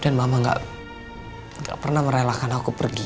mama gak pernah merelakan aku pergi